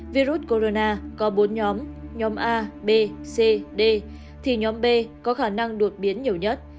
virus corona có bốn nhóm nhóm a b c d thì nhóm b có khả năng đột biến nhiều nhất